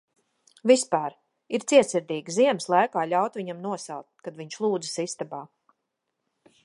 Vispār - ir cietsirdīgi ziemas laikā ļaut viņam nosalt, kad viņš lūdzas istabā...